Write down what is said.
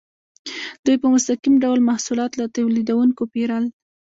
دوی په مستقیم ډول محصولات له تولیدونکو پیرل.